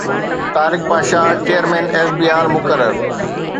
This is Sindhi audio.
Tariq Pasha chairman F B R مقرر